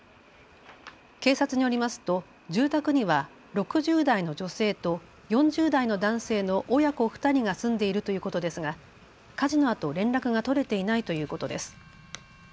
警察によりますと住宅には６０代の女性と４０代の男性の親子２人が住んでいるということですが火事のあと連絡が取れていないということです。